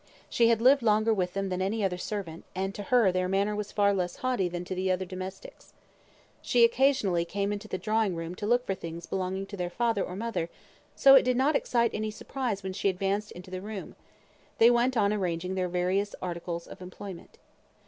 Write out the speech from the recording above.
She had lived longer with them than any other servant, and to her their manner was far less haughty than to the other domestics. She occasionally came into the drawing room to look for things belonging to their father or mother, so it did not excite any surprise when she advanced into the room. They went on arranging their various articles of employment.